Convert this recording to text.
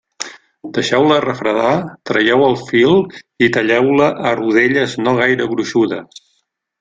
Deixeu-la refredar, traieu el fil i talleu-la a rodelles no gaire gruixudes.